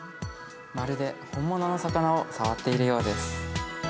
まるで本物の魚を触っているようです。